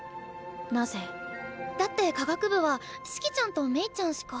なぜ？だって科学部は四季ちゃんとメイちゃんしか。